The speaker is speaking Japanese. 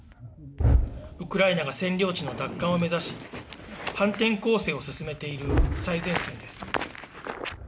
ウクライナが占領地の奪還を目指し、反転攻勢を進めている最前線です。